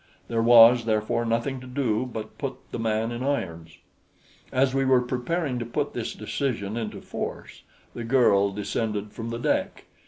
There was, therefore, nothing to do but put the man in irons. As we were preparing to put this decision into force, the girl descended from the deck.